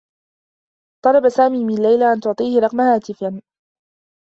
طلب سامي من ليلى أن تعطيه رقم هاتفا.